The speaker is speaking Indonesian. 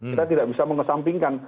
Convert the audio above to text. kita tidak bisa mengesampingkan